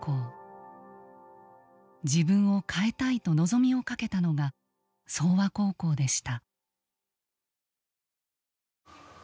自分を変えたいと望みをかけたのが奏和高校でした。